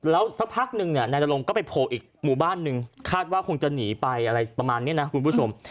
แล้วสักพักนึงเนี่ยนายนรงก็ไปโผล่อีกหมู่บ้านหนึ่งคาดว่าคงจะหนีไปอะไรประมาณนี้นะคุณผู้ชม